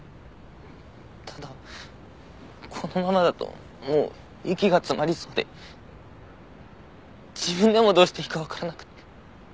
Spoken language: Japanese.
ただこのままだともう息が詰まりそうで自分でもどうしていいかわからなくて。